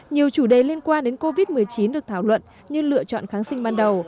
nhiều chủ đề liên quan đến covid một mươi chín được thảo luận như lựa chọn kháng sinh ban đầu